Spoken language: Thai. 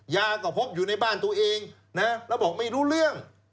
ยาก็พบอยู่ในบ้านตัวเองนะแล้วบอกไม่รู้เรื่อง